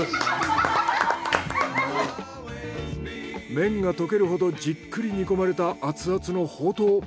麺が溶けるほどじっくり煮込まれた熱々のほうとう。